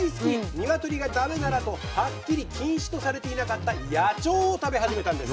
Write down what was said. ニワトリがダメならとはっきり禁止とされていなかった野鳥を食べ始めたんです。